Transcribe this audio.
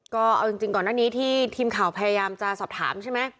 ก็เอาจริงก่อนหน้านี้ที่ทีมข่าวพยายามจะสอบถามใช่ไหม